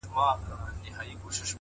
پرمختګ له ننني اقدام راټوکېږي,